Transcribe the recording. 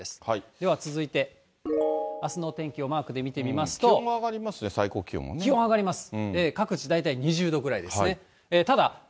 では続いて、あすのお天気をマー気温は上がりますね、最高気気温上がります。